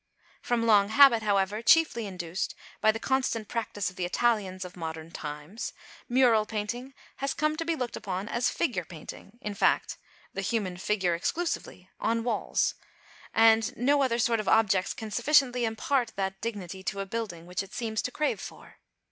From long habit, however, chiefly induced by the constant practice of the Italians of modern times, "Mural Painting" has come to be looked upon as figure painting (in fact, the human figure exclusively) on walls and no other sort of objects can sufficiently impart that dignity to a building which it seems to crave for.